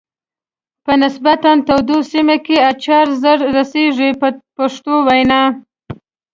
په نسبتا تودو سیمو کې اچار زر رسیږي په پښتو وینا.